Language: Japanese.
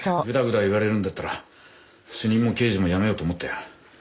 グダグダ言われるんだったら主任も刑事も辞めようと思ったよ。